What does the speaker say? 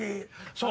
そう！